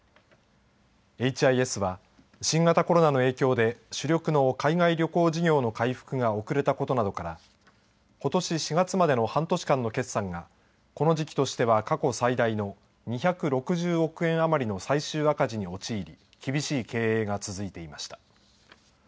エイチ・アイ・エスは新型コロナの影響で主力の海外旅行事業の回復が遅れたことなどからことし４月までの半年間の決算がこの時期としては過去最大の２６０億円余りの最終赤字に陥り厳しい経営が続いていました。